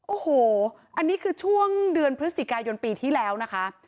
โอ้โหอันนี้คือช่วงเดือนพฤศจิกายนปีที่แล้วนะคะ